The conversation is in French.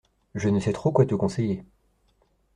Je ne sais trop quoi te conseiller.